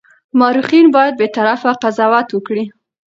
مورخین باید بېطرفه قضاوت وکړي.